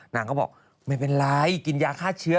นางก็บอกไม่เป็นไรกินยาฆ่าเชื้อ